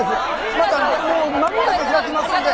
またもう間もなく開きますんで。